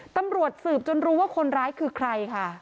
ตำรวจสืบจนรู้ว่าคนร้ายคือใครค่ะ